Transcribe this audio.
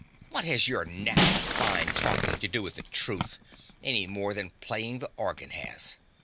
What has your knack of fine talking to do with the truth, any more than playing the organ has?